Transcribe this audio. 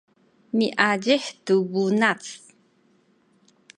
miazih tu bunac